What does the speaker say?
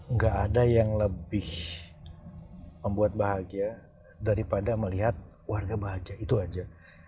nggak ada yang lebih membuat bahagia daripada melihat warga bahagia itu aja